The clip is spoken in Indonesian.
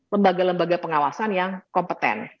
lembaga lembaga pengawasan yang kompeten